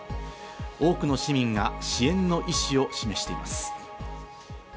多くの市民が支援の意思を示しています。